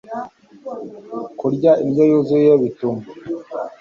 kurya indyo yuzuye bituma